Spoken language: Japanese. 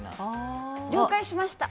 了解しました！